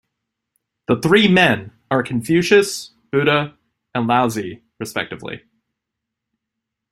The three men are Confucius, Buddha, and Laozi, respectively.